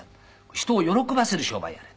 「人を喜ばせる商売やれ」。